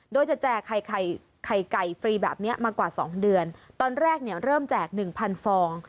โดยจะแจกไข่ไข่ไก่ฟรีแบบเนี้ยมากว่าสองเดือนตอนแรกเนี่ยเริ่มแจกหนึ่งพันฟอง